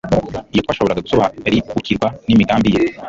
Iyaba twashoboraga gusobariukirwa n'imigambi ye,